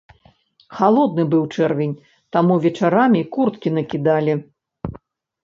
Халодны быў чэрвень, таму вечарамі курткі накідалі.